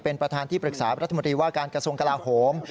เป็นประธานที่ปรึกษารัฐมนตรีว่าการกระทรวงกลาโหม